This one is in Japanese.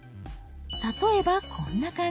例えばこんな感じ。